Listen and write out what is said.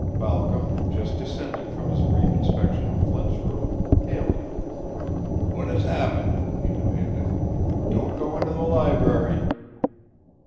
Balcom, just descending from his brief inspection of Flint's room, hailed him. "What has happened?" he demanded. "Don't go into the library."